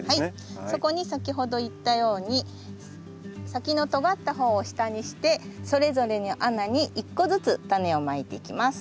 そこに先ほど言ったように先のとがった方を下にしてそれぞれの穴に１個ずつタネをまいていきます。